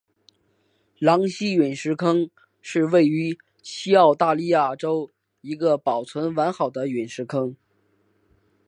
狼溪陨石坑是位于西澳大利亚州一个保存完好的陨石坑。